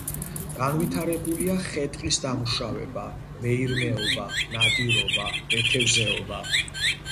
განვითარებულია ხე-ტყის დამუშავება, მეირმეობა, ნადირობა, მეთევზეობა.